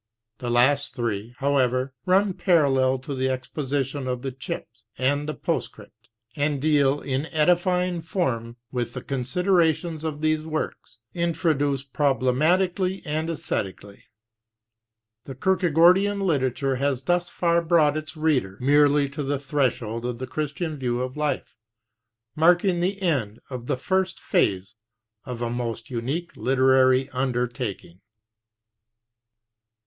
The last three, however, run parallel to the exposition of the Chips and the Postscript, and deal in edifying form with the considerations which these works introduce problematically and esthetically. The Kierkegaardian literature has thus far brought its reader merely to the threshold of the Christian view of life, marking the end of the first phase of a most unique literary undertaking.